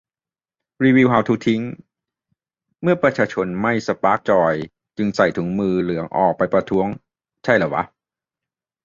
รีวิว ฮาวทูทิ้ง : เมื่อประชาชนไม่ สปาร์คจอย จึงใส่ถุงมือเหลืองออกไปประท้วง ใช่เหรอวะ